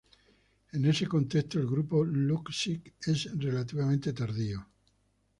En ese contexto, el grupo Luksic es relativamente tardío.